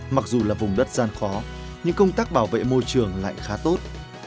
mặc dù là vùng đất gian khó nhưng công tác bảo vệ môi trường lại khá tốt